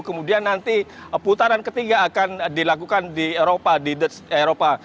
kemudian nanti putaran ketiga akan dilakukan di eropa